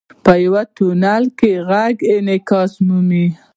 • په یو تونل کې ږغ انعکاس مومي.